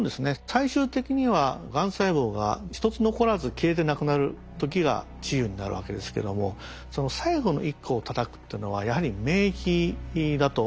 最終的にはがん細胞が一つ残らず消えてなくなる時が治癒になるわけですけどもその最後の一個をたたくっていうのはやはり免疫だと思います。